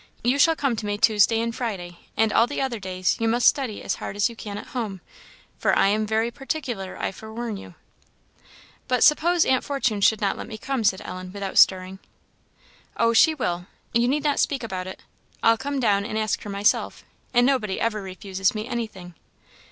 You shall come to me Tuesday and Friday; and all the other days you must study as hard as you can at home; for I am very particular, I forewarn you." "But suppose Aunt Fortune should not let me come?" said Ellen, without stirring. "Oh, she will. You need not speak about it; I'll come down and ask her myself, and nobody ever refuses me anything."